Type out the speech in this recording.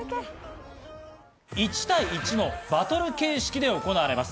１対１のバトル形式で行われます